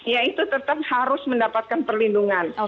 ya itu tetap harus mendapatkan perlindungan